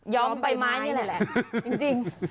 ้อมใบไม้นี่แหละจริง